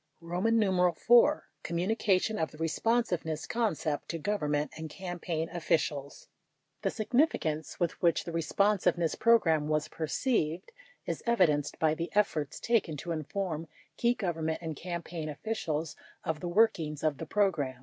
84 IY. COMMUNICATION OF THE RESPONSIVENESS CON CEPT TO GOVERNMENT AND CAMPAIGN OFFICIALS The significance with which the Responsiveness Program was perceived is evidenced by the efforts taken to inform key Government and campaign officials of the workings of the program.